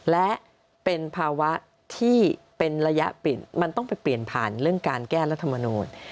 และเป็นภาวะที่เป็นระยะเปลี่ยนมันต้องไปเปลี่ยนผ่านเรื่องการแก้รัฐมนูล